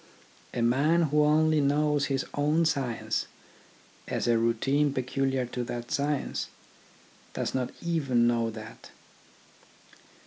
A man who only knows his own science, as a routine peculiar to that science, does not even know that.